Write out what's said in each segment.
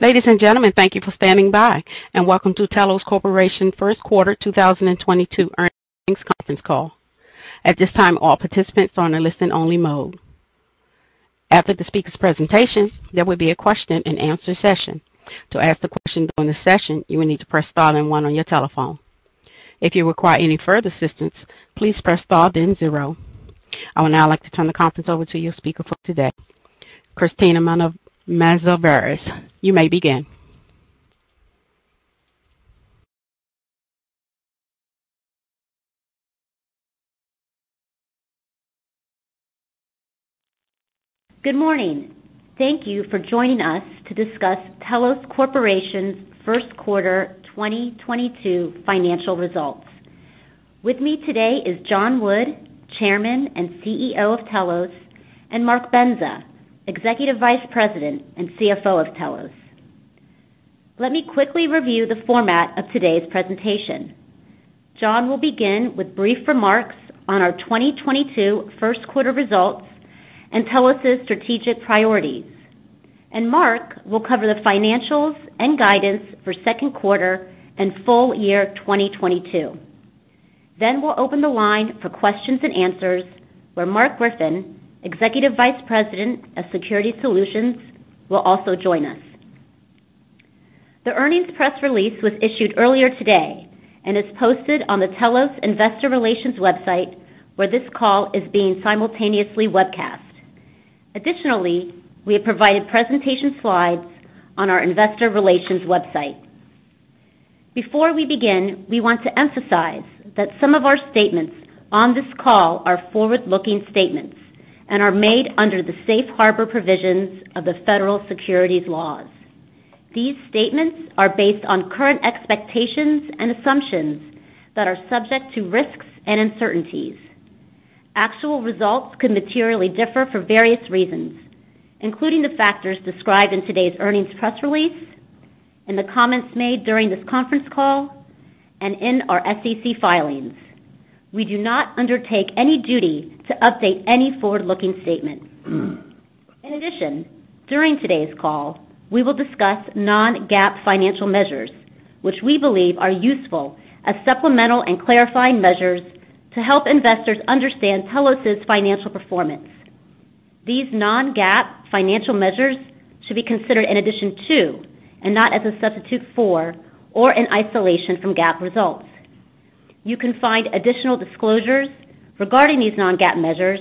Ladies and gentlemen, thank you for standing by, and welcome to Telos Corporation first quarter 2022 earnings conference call. At this time, all participants are on a listen only mode. After the speaker's presentation, there will be a question-and-answer session. To ask a question during the session, you will need to press star then one on your telephone. If you require any further assistance, please press star then zero. I would now like to turn the conference over to your speaker for today, Christina Mouzavires. You may begin. Good morning. Thank you for joining us to discuss Telos Corporation's first quarter 2022 financial results. With me today is John Wood, Chairman and CEO of Telos, and Mark Bendza, Executive Vice President and CFO of Telos. Let me quickly review the format of today's presentation. John will begin with brief remarks on our 2022 first quarter results and Telos' strategic priorities. Mark will cover the financials and guidance for second quarter and full year 2022. We'll open the line for questions and answers, where Mark Griffin, Executive Vice President of Security Solutions, will also join us. The earnings press release was issued earlier today and is posted on the Telos Investor Relations website, where this call is being simultaneously webcast. Additionally, we have provided presentation slides on our investor relations website. Before we begin, we want to emphasize that some of our statements on this call are forward-looking statements and are made under the safe harbor provisions of the Federal Securities laws. These statements are based on current expectations and assumptions that are subject to risks and uncertainties. Actual results could materially differ for various reasons, including the factors described in today's earnings press release and the comments made during this conference call and in our SEC filings. We do not undertake any duty to update any forward-looking statements. In addition, during today's call, we will discuss non-GAAP financial measures, which we believe are useful as supplemental and clarifying measures to help investors understand Telos' financial performance. These non-GAAP financial measures should be considered in addition to and not as a substitute for or in isolation from GAAP results. You can find additional disclosures regarding these non-GAAP measures,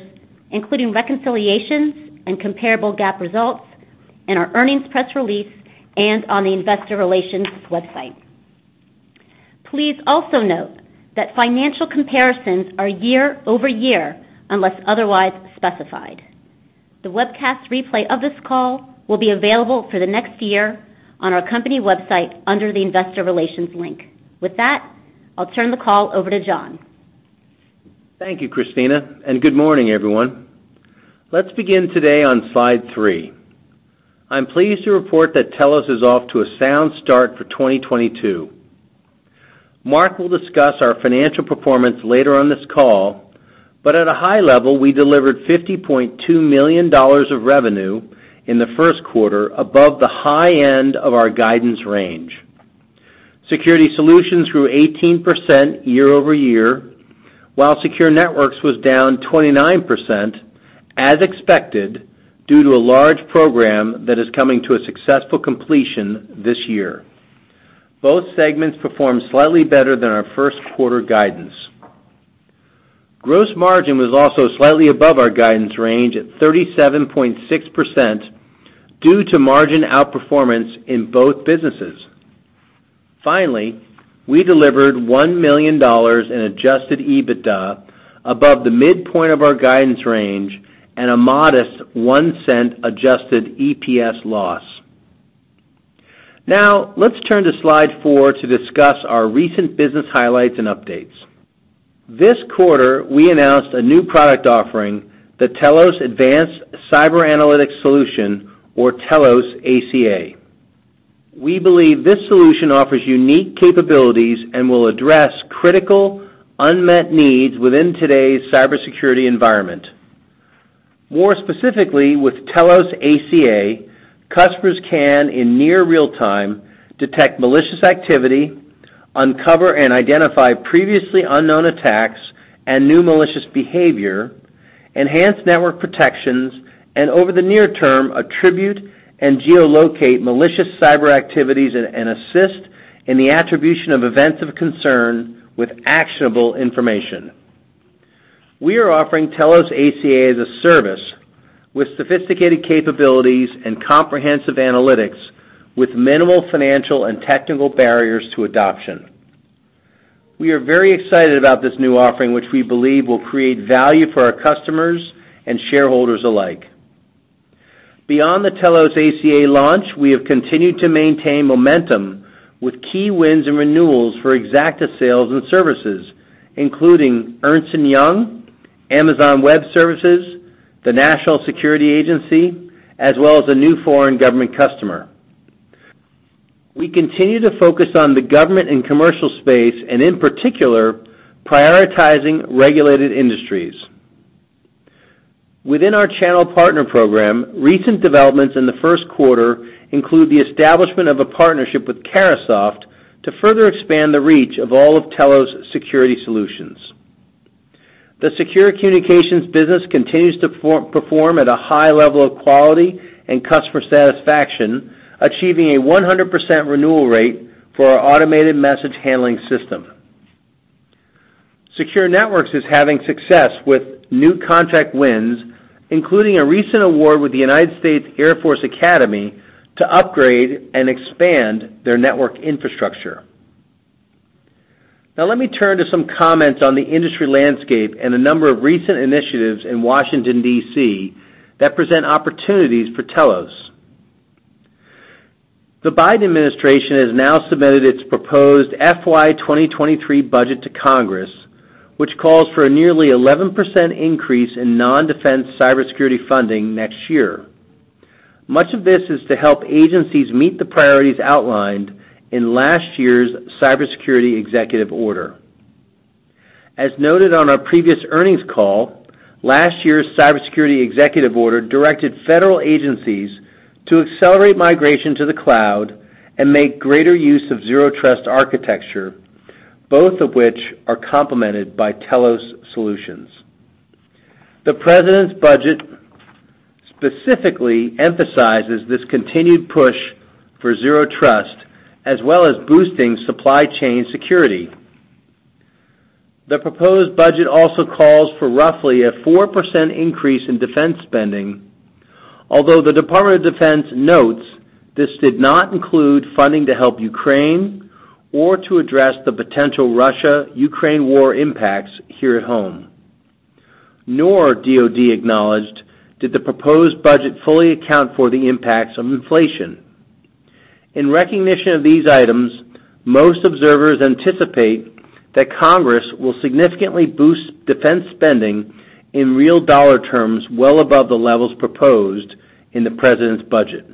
including reconciliations and comparable GAAP results, in our earnings press release and on the investor relations website. Please also note that financial comparisons are year-over-year, unless otherwise specified. The webcast replay of this call will be available for the next year on our company website under the Investor Relations link. With that, I'll turn the call over to John. Thank you, Christina, and good morning, everyone. Let's begin today on slide three. I'm pleased to report that Telos is off to a sound start for 2022. Mark will discuss our financial performance later on this call, but at a high level, we delivered $50.2 million of revenue in the first quarter above the high end of our guidance range. Security Solutions grew 18% year-over-year, while Secure Networks was down 29%, as expected, due to a large program that is coming to a successful completion this year. Both segments performed slightly better than our first quarter guidance. Gross margin was also slightly above our guidance range at 37.6% due to margin outperformance in both businesses. Finally, we delivered $1 million in adjusted EBITDA above the midpoint of our guidance range and a modest $0.01 adjusted EPS loss. Now let's turn to slide four to discuss our recent business highlights and updates. This quarter, we announced a new product offering, the Telos Advanced Cyber Analytics solution, or Telos ACA. We believe this solution offers unique capabilities and will address critical unmet needs within today's cybersecurity environment. More specifically, with Telos ACA, customers can, in near real time, detect malicious activity, uncover and identify previously unknown attacks and new malicious behavior, enhance network protections, and over the near term, attribute and geolocate malicious cyber activities and assist in the attribution of events of concern with actionable information. We are offering Telos ACA as a service with sophisticated capabilities and comprehensive analytics with minimal financial and technical barriers to adoption. We are very excited about this new offering, which we believe will create value for our customers and shareholders alike. Beyond the Telos ACA launch, we have continued to maintain momentum with key wins and renewals for Xacta sales and services, including Ernst & Young, Amazon Web Services, the National Security Agency, as well as a new foreign government customer. We continue to focus on the government and commercial space and in particular prioritizing regulated industries. Within our channel partner program, recent developments in the first quarter include the establishment of a partnership with Carahsoft to further expand the reach of all of Telos's security solutions. The secure communications business continues to perform at a high level of quality and customer satisfaction, achieving a 100% renewal rate for our automated message handling system. Secure networks is having success with new contract wins, including a recent award with the United States Air Force Academy to upgrade and expand their network infrastructure. Now, let me turn to some comments on the industry landscape and a number of recent initiatives in Washington, D.C., that present opportunities for Telos. The Biden administration has now submitted its proposed FY 2023 budget to Congress, which calls for a nearly 11% increase in non-defense cybersecurity funding next year. Much of this is to help agencies meet the priorities outlined in last year's cybersecurity executive order. As noted on our previous earnings call, last year's cybersecurity executive order directed federal agencies to accelerate migration to the cloud and make greater use of zero trust architecture, both of which are complemented by Telos solutions. The president's budget specifically emphasizes this continued push for zero trust, as well as boosting supply chain security. The proposed budget also calls for roughly a 4% increase in defense spending, although the Department of Defense notes this did not include funding to help Ukraine or to address the potential Russia-Ukraine war impacts here at home, nor did DoD acknowledge the proposed budget fully account for the impacts of inflation. In recognition of these items, most observers anticipate that Congress will significantly boost defense spending in real dollar terms well above the levels proposed in the president's budget.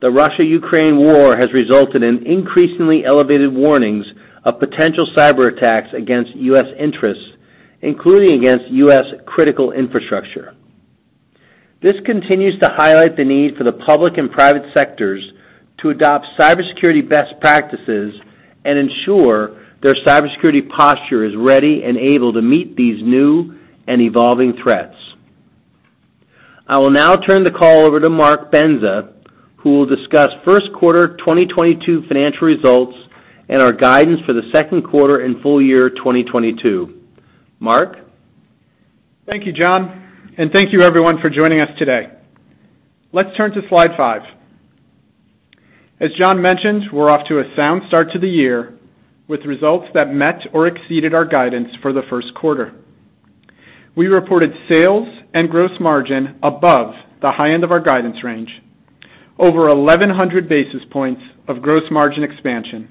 The Russia-Ukraine war has resulted in increasingly elevated warnings of potential cyberattacks against U.S. interests, including against U.S. critical infrastructure. This continues to highlight the need for the public and private sectors to adopt cybersecurity best practices and ensure their cybersecurity posture is ready and able to meet these new and evolving threats. I will now turn the call over to Mark Bendza, who will discuss first quarter 2022 financial results and our guidance for the second quarter and full year 2022. Mark. Thank you, John, and thank you everyone for joining us today. Let's turn to slide five. As John mentioned, we're off to a sound start to the year with results that met or exceeded our guidance for the first quarter. We reported sales and gross margin above the high end of our guidance range, over 1,100 basis points of gross margin expansion,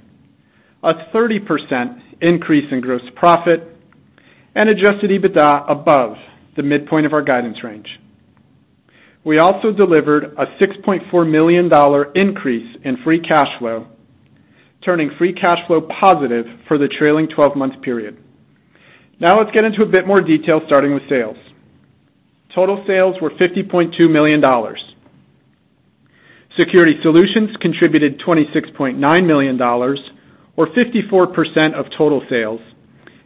a 30% increase in gross profit, and adjusted EBITDA above the midpoint of our guidance range. We also delivered a $6.4 million increase in free cash flow, turning free cash flow positive for the trailing twelve-month period. Now let's get into a bit more detail, starting with sales. Total sales were $50.2 million. Security Solutions contributed $26.9 million, or 54% of total sales,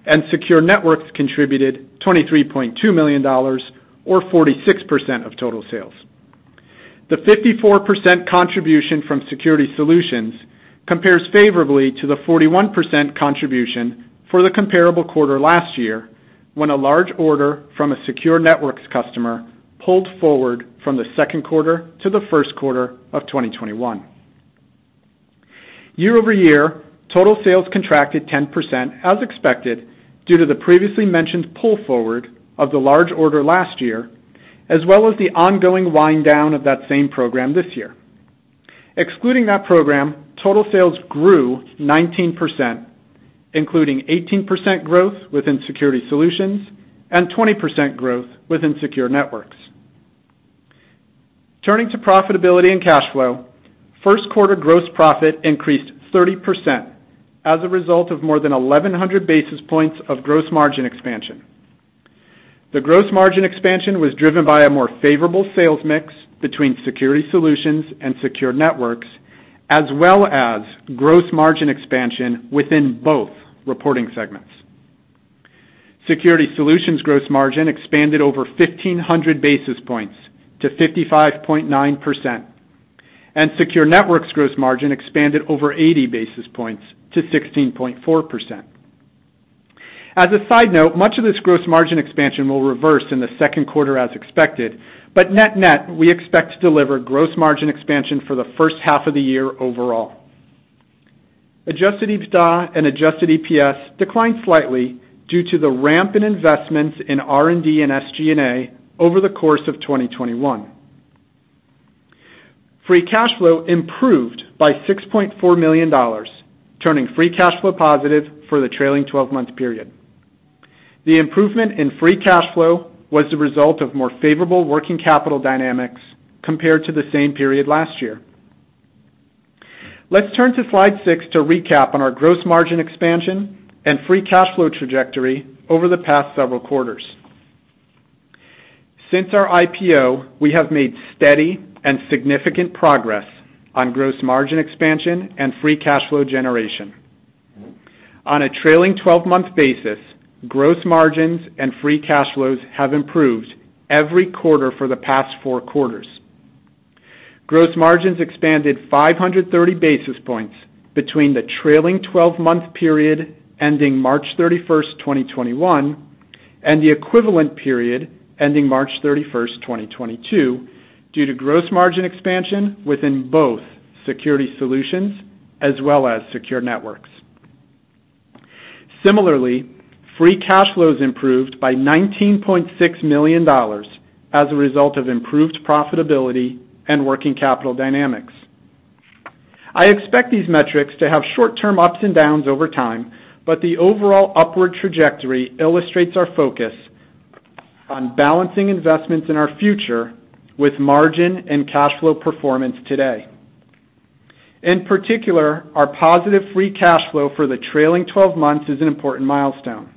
and Secure Networks contributed $23.2 million or 46% of total sales. The 54% contribution from Security Solutions compares favorably to the 41% contribution for the comparable quarter last year when a large order from a Secure Networks customer pulled forward from the second quarter to the first quarter of 2021. Year-over-year, total sales contracted 10%, as expected, due to the previously mentioned pull forward of the large order last year, as well as the ongoing wind down of that same program this year. Excluding that program, total sales grew 19%, including 18% growth within Security Solutions and 20% growth within Secure Networks. Turning to profitability and cash flow, first quarter gross profit increased 30% as a result of more than 1,100 basis points of gross margin expansion. The gross margin expansion was driven by a more favorable sales mix between Security Solutions and Secure Networks, as well as gross margin expansion within both reporting segments. Security Solutions gross margin expanded over 1,500 basis points to 55.9%, and Secure Networks gross margin expanded over 80 basis points to 16.4%. As a side note, much of this gross margin expansion will reverse in the second quarter as expected, but net-net, we expect to deliver gross margin expansion for the first half of the year overall. Adjusted EBITDA and adjusted EPS declined slightly due to the ramp in investments in R&D and SG&A over the course of 2021. Free cash flow improved by $6.4 million, turning free cash flow positive for the trailing twelve-month period. The improvement in free cash flow was the result of more favorable working capital dynamics compared to the same period last year. Let's turn to slide six to recap on our gross margin expansion and free cash flow trajectory over the past several quarters. Since our IPO, we have made steady and significant progress on gross margin expansion and free cash flow generation. On a trailing twelve-month basis, gross margins and free cash flows have improved every quarter for the past four quarters. Gross margins expanded 530 basis points between the trailing twelve-month period ending March 31st, 2021, and the equivalent period ending March thirty-first, 2022 due to gross margin expansion within both security solutions as well as secure networks. Similarly, free cash flows improved by $19.6 million as a result of improved profitability and working capital dynamics. I expect these metrics to have short-term ups and downs over time, but the overall upward trajectory illustrates our focus on balancing investments in our future with margin and cash flow performance today. In particular, our positive free cash flow for the trailing twelve months is an important milestone.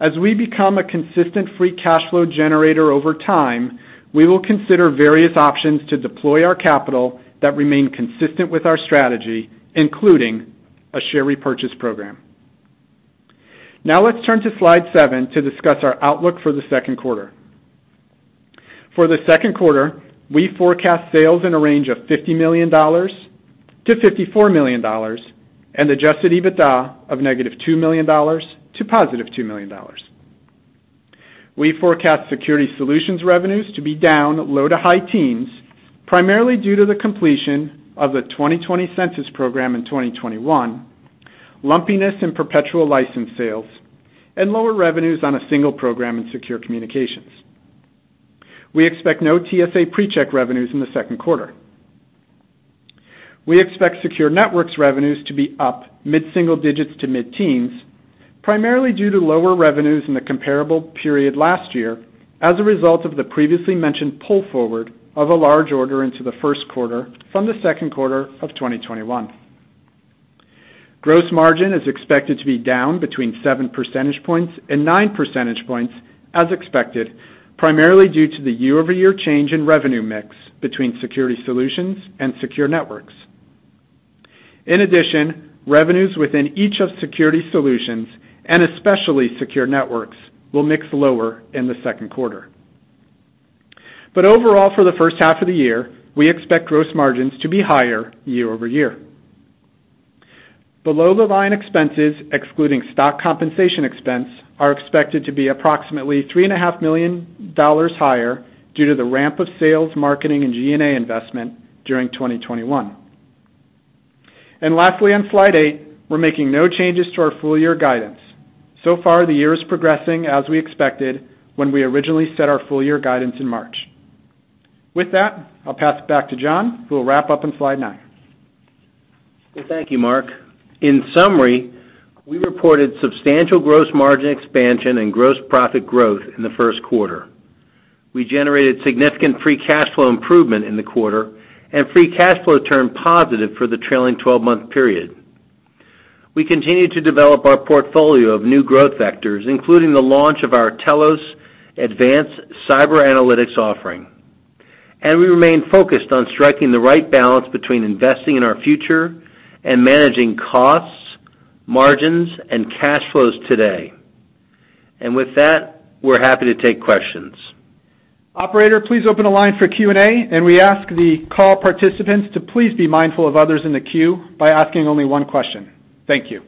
As we become a consistent free cash flow generator over time, we will consider various options to deploy our capital that remain consistent with our strategy, including a share repurchase program. Now let's turn to slide seven to discuss our outlook for the second quarter. For the second quarter, we forecast sales in a range of $50 million-$54 million and adjusted EBITDA of -$2 million to $2 million. We forecast Security Solutions revenues to be down low- to high-teens, primarily due to the completion of the 2020 Census program in 2021, lumpiness in perpetual license sales, and lower revenues on a single program in Secure Communications. We expect no TSA PreCheck revenues in the second quarter. We expect Secure Networks revenues to be up mid-single-digits to mid-teens, primarily due to lower revenues in the comparable period last year as a result of the previously mentioned pull-forward of a large order into the first quarter from the second quarter of 2021. Gross margin is expected to be down between 7 percentage points and 9 percentage points as expected, primarily due to the year-over-year change in revenue mix between Security Solutions and Secure Networks. In addition, revenues within each of Security Solutions, and especially Secure Networks, will mix lower in the second quarter. Overall, for the first half of the year, we expect gross margins to be higher year-over-year. Below-the-line expenses, excluding stock compensation expense, are expected to be approximately $3.5 million higher due to the ramp of sales, marketing, and G&A investment during 2021. Lastly, on slide eight, we're making no changes to our full year guidance. So far, the year is progressing as we expected when we originally set our full year guidance in March. With that, I'll pass it back to John, who will wrap up on slide nine. Well, thank you, Mark. In summary, we reported substantial gross margin expansion and gross profit growth in the first quarter. We generated significant free cash flow improvement in the quarter and free cash flow turned positive for the trailing twelve-month period. We continue to develop our portfolio of new growth vectors, including the launch of our Telos Advanced Cyber Analytics offering. We remain focused on striking the right balance between investing in our future and managing costs, margins, and cash flows today. With that, we're happy to take questions. Operator, please open the line for Q&A, and we ask the call participants to please be mindful of others in the queue by asking only one question. Thank you.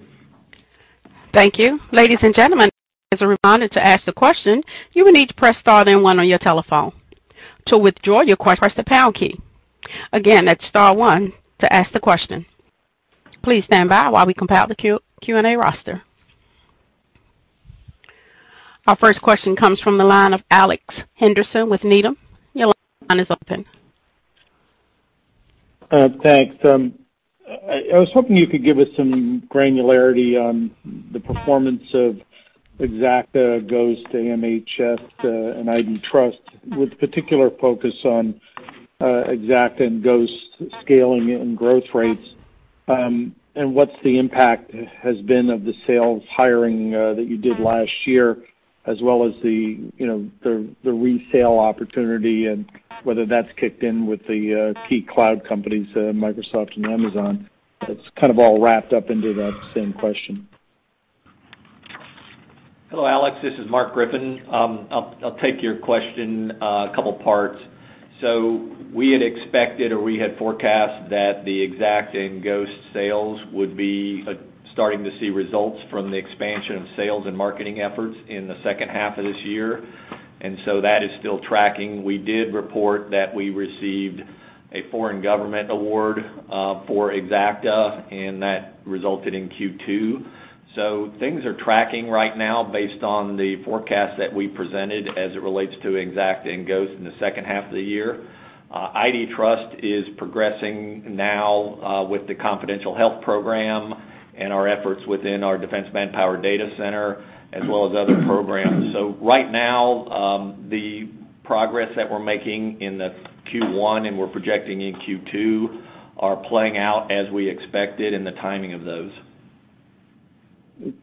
Thank you. Ladies and gentlemen, as a reminder to ask the question, you will need to press star then one on your telephone. To withdraw your question, press the pound key. Again, that's star one to ask the question. Please stand by while we compile the Q&A roster. Our first question comes from the line of Alex Henderson with Needham. Your line is open. Thanks. I was hoping you could give us some granularity on the performance of Xacta, Ghost, AMHS, and IDTrust360, with particular focus on Xacta and Ghost scaling and growth rates. What's the impact has been of the sales hiring that you did last year, as well as the, you know, the resale opportunity and whether that's kicked in with the key cloud companies, Microsoft and Amazon. That's kind of all wrapped up into that same question. Hello, Alex. This is Mark Griffin. I'll take your question a couple parts. We had expected, or we had forecast that the Xacta and Ghost sales would be starting to see results from the expansion of sales and marketing efforts in the second half of this year. That is still tracking. We did report that we received a foreign government award for Xacta, and that resulted in Q2. Things are tracking right now based on the forecast that we presented as it relates to Xacta and Ghost in the second half of the year. IDTrust360 is progressing now with the credential health program and our efforts within our Defense Manpower Data Center as well as other programs. Right now, the progress that we're making in the Q1 and we're projecting in Q2 are playing out as we expected and the timing of those.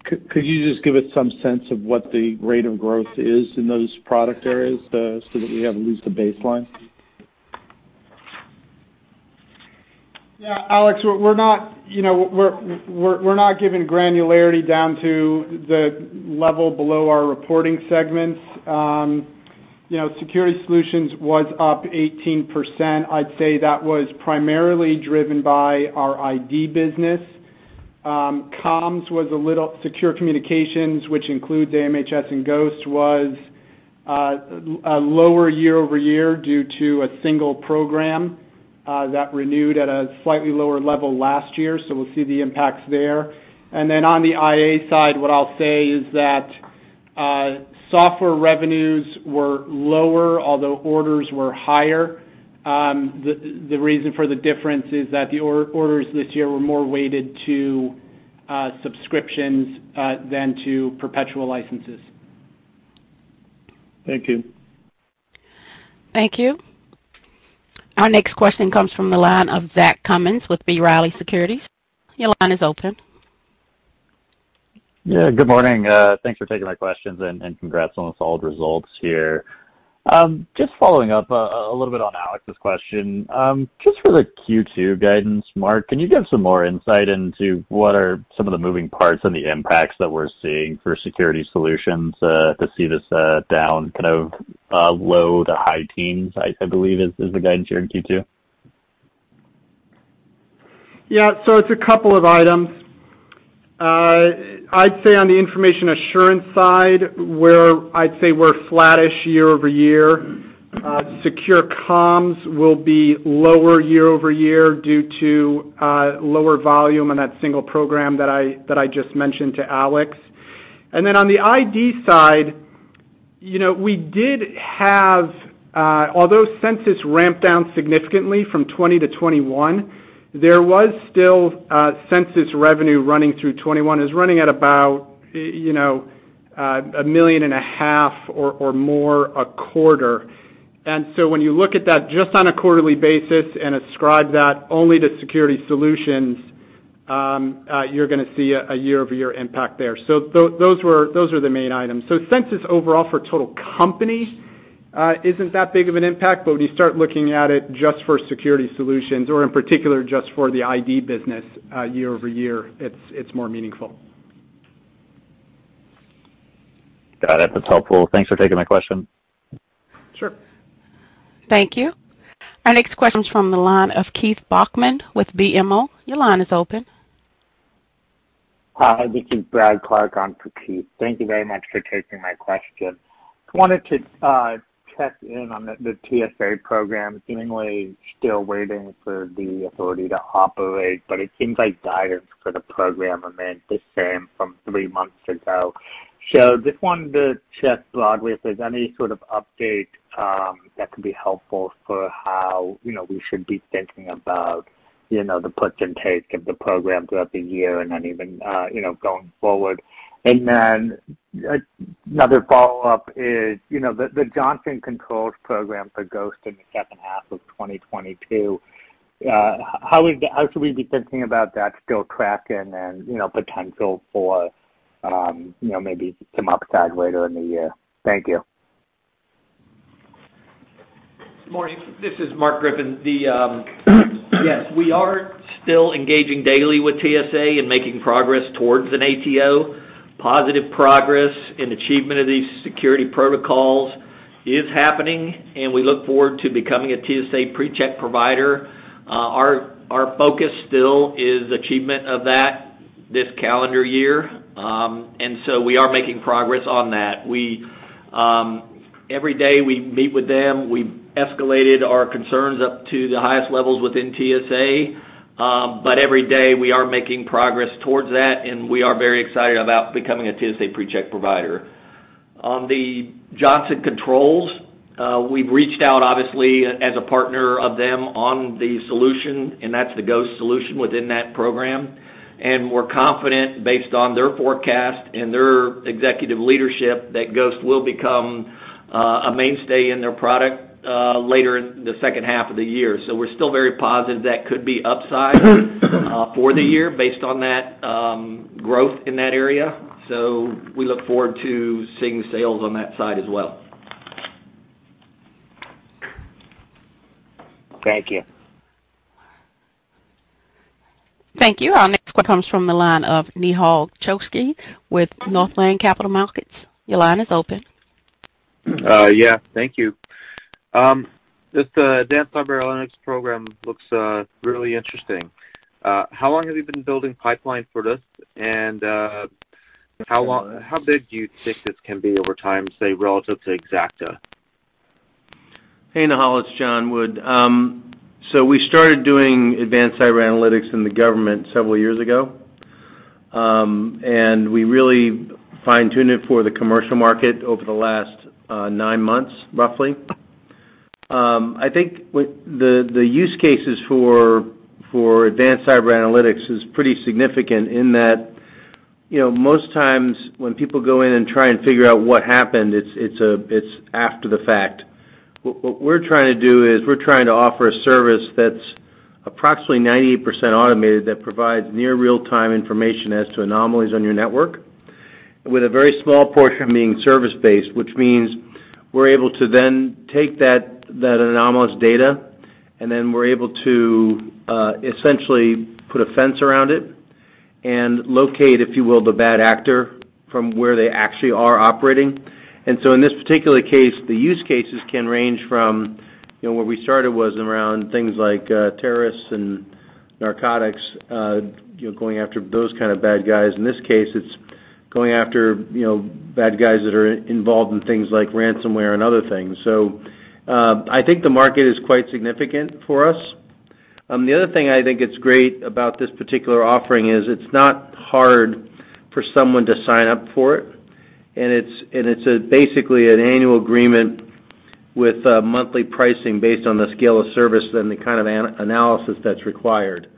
Could you just give us some sense of what the rate of growth is in those product areas, so that we have at least a baseline? Yeah, Alex, we're not giving granularity down to the level below our reporting segments. Security Solutions was up 18%. I'd say that was primarily driven by our ID business. Secure Communications, which includes the AMHS and Ghost, was lower year over year due to a single program that renewed at a slightly lower level last year, so we'll see the impacts there. Then on the IA side, what I'll say is that software revenues were lower, although orders were higher. The reason for the difference is that the orders this year were more weighted to subscriptions than to perpetual licenses. Thank you. Thank you. Our next question comes from the line of Zach Cummins with B. Riley Securities. Your line is open. Yeah, good morning. Thanks for taking my questions and congrats on the solid results here. Just following up a little bit on Alex's question. Just for the Q2 guidance, Mark, can you give some more insight into what are some of the moving parts and the impacts that we're seeing for Security Solutions to see this down kind of low- to high-teens %, I believe is the guidance here in Q2? Yeah. It's a couple of items. I'd say on the Information Assurance side, we're flattish year-over-year. Secure Communications will be lower year-over-year due to lower volume on that single program that I just mentioned to Alex. Then on the ID side, you know, we did have, although Census ramped down significantly from 2020 to 2021, there was still Census revenue running through 2021. It was running at about, you know, $1.5 million or more a quarter. When you look at that just on a quarterly basis and ascribe that only to Security Solutions, you're gonna see a year-over-year impact there. Those were the main items. Census overall for total company isn't that big of an impact, but when you start looking at it just for Security Solutions or in particular just for the ID business, year-over-year, it's more meaningful. Got it. That's helpful. Thanks for taking my question. Sure. Thank you. Our next question's from the line of Keith Bachman with BMO. Your line is open. Hi, this is Brad Clark on for Keith. Thank you very much for taking my question. Wanted to check in on the TSA program seemingly still waiting for the authority to operate, but it seems like guidance for the program remained the same from three months ago. Just wanted to check broadly if there's any sort of update that could be helpful for how, you know, we should be thinking about, you know, the puts and takes of the program throughout the year and then even, you know, going forward. Another follow-up is, you know, the Johnson Controls program for Ghost in the second half of 2022, how should we be thinking about that go-to-market and, you know, potential for, you know, maybe some upside later in the year? Thank you. Morning. This is Mark Griffin. We are still engaging daily with TSA and making progress towards an ATO. Positive progress and achievement of these security protocols is happening, and we look forward to becoming a TSA PreCheck provider. Our focus still is achievement of that this calendar year. We are making progress on that. Every day, we meet with them. We've escalated our concerns up to the highest levels within TSA. Every day, we are making progress towards that, and we are very excited about becoming a TSA PreCheck provider. On the Johnson Controls, we've reached out obviously as a partner of them on the solution, and that's the Ghost solution within that program. We're confident based on their forecast and their executive leadership that Ghost will become a mainstay in their product later in the second half of the year. We're still very positive that could be upside for the year based on that growth in that area. We look forward to seeing the sales on that side as well. Thank you. Thank you. Our next comes from the line of Nehal Chokshi with Northland Capital Markets. Your line is open. Yeah. Thank you. This Advanced Cyber Analytics program looks really interesting. How long have you been building pipeline for this? How big do you think this can be over time, say, relative to Xacta? Hey, Nehal. It's John Wood. We started doing Advanced Cyber Analytics in the government several years ago. We really fine-tuned it for the commercial market over the last 9 months, roughly. I think the use cases for Advanced Cyber Analytics is pretty significant in that, you know, most times when people go in and try and figure out what happened, it's after the fact. What we're trying to do is we're trying to offer a service that's approximately 98% automated that provides near real-time information as to anomalies on your network, with a very small portion being service-based, which means we're able to then take that anomalous data, and then we're able to essentially put a fence around it and locate, if you will, the bad actor from where they actually are operating. In this particular case, the use cases can range from, you know, where we started was around things like terrorists and narcotics, you know, going after those kind of bad guys. In this case, it's going after, you know, bad guys that are involved in things like ransomware and other things. I think the market is quite significant for us. The other thing I think it's great about this particular offering is it's not hard for someone to sign up for it, and it's basically an annual agreement with monthly pricing based on the scale of service and the kind of analysis that's required.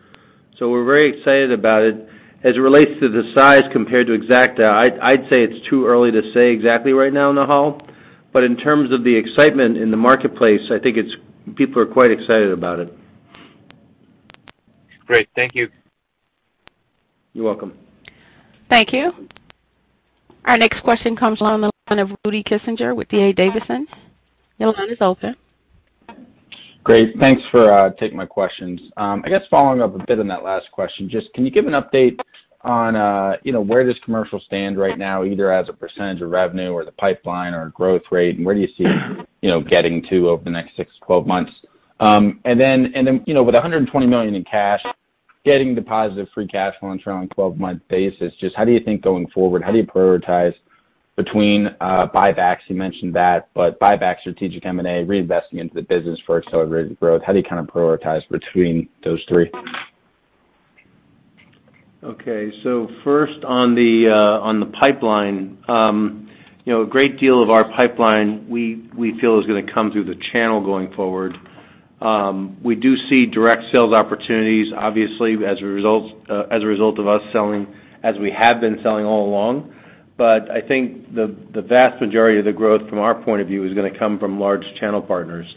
We're very excited about it. As it relates to the size compared to Xacta, I'd say it's too early to say exactly right now, Nehal. In terms of the excitement in the marketplace, I think it's, people are quite excited about it. Great. Thank you. You're welcome. Thank you. Our next question comes on the line of Rudy Kessinger with D.A. Davidson. Your line is open. Great. Thanks for taking my questions. I guess following up a bit on that last question, just can you give an update on, you know, where does commercial stand right now, either as a percentage of revenue or the pipeline or growth rate, and where do you see it, you know, getting to over the next six to 12 months? And then, you know, with $120 million in cash getting positive free cash flow on a trailing 12-month basis, just how do you think going forward, how do you prioritize between, buybacks, you mentioned that, but buyback, strategic M&A, reinvesting into the business for accelerated growth, how do you kind of prioritize between those three? Okay. First on the pipeline, you know, a great deal of our pipeline we feel is gonna come through the channel going forward. We do see direct sales opportunities, obviously as a result of us selling as we have been selling all along. I think the vast majority of the growth from our point of view is gonna come from large channel partners.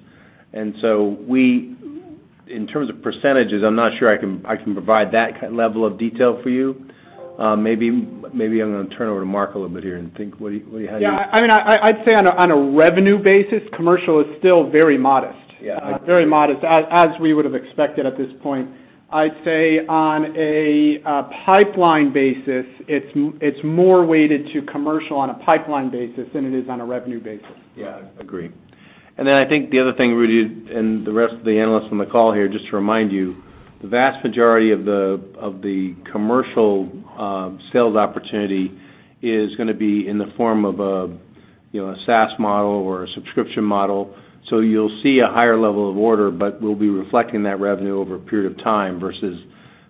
In terms of percentages, I'm not sure I can provide that k-level of detail for you. Maybe I'm gonna turn it over to Mark a little bit here and think what do you have here? Yeah. I mean, I'd say on a revenue basis, commercial is still very modest. Yeah. Very modest as we would've expected at this point. I'd say on a pipeline basis, it's more weighted to commercial on a pipeline basis than it is on a revenue basis. Yeah, I agree. I think the other thing, Rudy, and the rest of the analysts on the call here, just to remind you, the vast majority of the commercial sales opportunity is gonna be in the form of a, you know, a SaaS model or a subscription model. You'll see a higher level of order, but we'll be reflecting that revenue over a period of time versus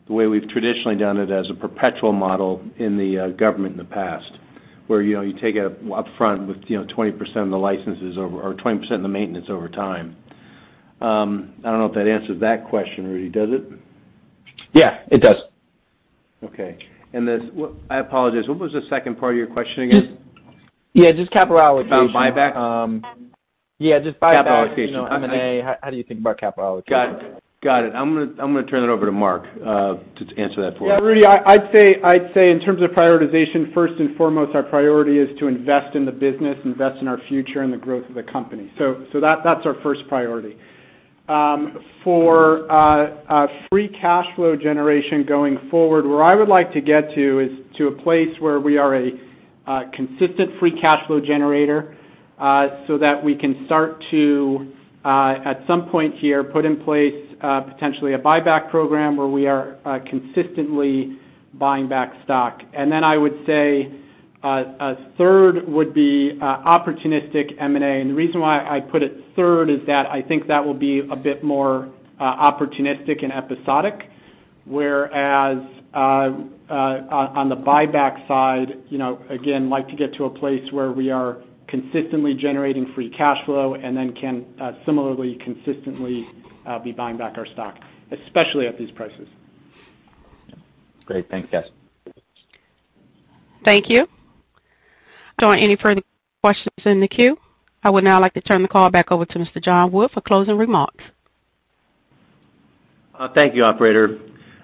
the way we've traditionally done it as a perpetual model in the government in the past, where, you know, you take it upfront with, you know, 20% of the licenses over or 20% of the maintenance over time. I don't know if that answers that question, Rudy. Does it? Yeah, it does. Okay. I apologize, what was the second part of your question again? Yeah, just capital allocation. About buyback? Yeah, just buyback- Capital allocation. You know, M&A, how do you think about capital allocation? Got it. I'm gonna turn it over to Mark to answer that for you. Yeah, Rudy, I'd say in terms of prioritization, first and foremost, our priority is to invest in the business, invest in our future and the growth of the company. That's our first priority. For free cash flow generation going forward, where I would like to get to is to a place where we are a consistent free cash flow generator, so that we can start to, at some point here, put in place potentially a buyback program where we are consistently buying back stock. I would say a third would be opportunistic M&A. The reason why I put it third is that I think that will be a bit more opportunistic and episodic, whereas on the buyback side, you know, again, like to get to a place where we are consistently generating free cash flow and then can similarly consistently be buying back our stock, especially at these prices. Great. Thanks, guys. Thank you. There aren't any further questions in the queue. I would now like to turn the call back over to Mr. John Wood for closing remarks. Thank you, operator.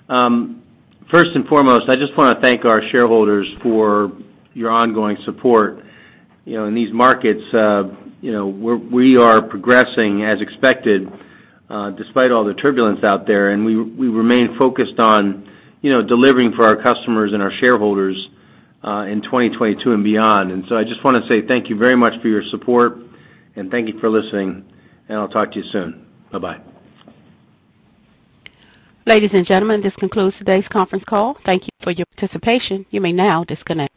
First and foremost, I just wanna thank our shareholders for your ongoing support. You know, in these markets, you know, we are progressing as expected, despite all the turbulence out there, and we remain focused on, you know, delivering for our customers and our shareholders, in 2022 and beyond. I just wanna say thank you very much for your support, and thank you for listening, and I'll talk to you soon. Bye-bye. Ladies and gentlemen, this concludes today's conference call. Thank you for your participation. You may now disconnect.